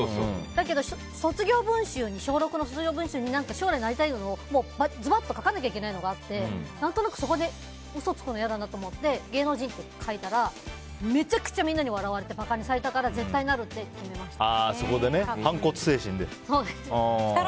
だけど、小６の卒業文集に将来になりたいものをズバッと書かなきゃいけないものがあって何となくそこで嘘つくの嫌だなと思って芸能人って書いたらめちゃくちゃみんなに笑われて馬鹿にされたから絶対になるって決めました。